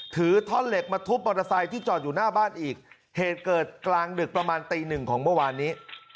ถือท่อนเหล็กมาทุบมอเตอร์ไซค์ที่จอดอยู่หน้าบ้านอีกเหตุเกิดกลางดึกประมาณตีหนึ่งของเมื่อวานนี้